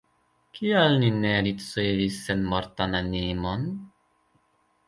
Kial ni ne ricevis senmortan animon?